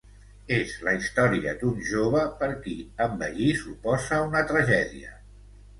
És la història d'un jove per qui envellir suposa una tragèdia.